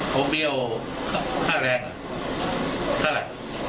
โพเบียวค่าแรงเท่าไร